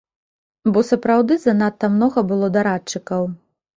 Бо сапраўды занадта многа было дарадчыкаў!